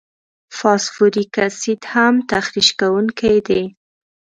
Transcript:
فاسفوریک اسید هم تخریش کوونکي دي.